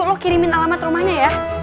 lo kirimin alamat rumahnya ya